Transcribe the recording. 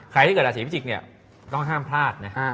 ใครที่เกิดราศีพิจิกเนี่ยก็ห้ามพลาดเนี่ย